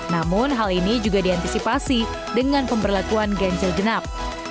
namun hal ini juga diantisipasi dengan pemberlakuan ganjil genap